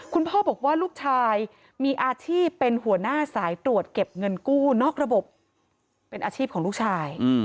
คุณพ่อบอกว่าลูกชายมีอาชีพเป็นหัวหน้าสายตรวจเก็บเงินกู้นอกระบบเป็นอาชีพของลูกชาย